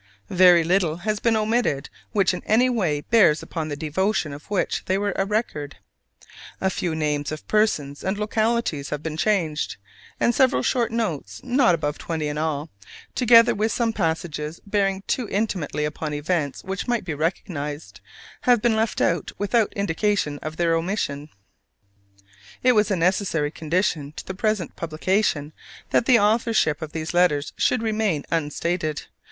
Very little has been omitted which in any way bears upon the devotion of which they are a record. A few names of persons and localities have been changed; and several short notes (not above twenty in all), together with some passages bearing too intimately upon events which might be recognized, have been left out without indication of their omission. It was a necessary condition to the present publication that the authorship of these letters should remain unstated.